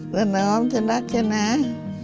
ตาน้องจะรักใช่ไหม